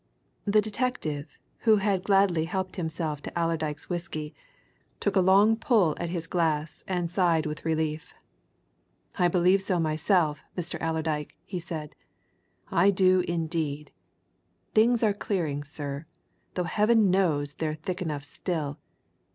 The detective, who had gladly helped himself to Allerdyke's whisky, took a long pull at his glass and sighed with relief. "I believe so myself, Mr. Allerdyke," he said. "I do, indeed! things are clearing, sir, though Heaven knows they're thick enough still.